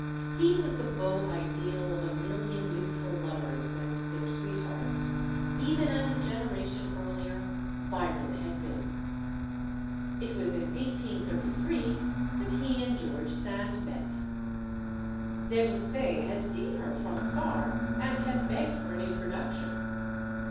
He was the beau ideal of a million youthful lovers and their sweethearts; even as, a generation earlier, Byron had been. It was in 1833 that he and George Sand met. De Musset had seen her from afar and had begged for an introduction.